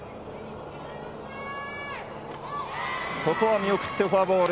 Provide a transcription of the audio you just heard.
ここは見送ってフォアボール。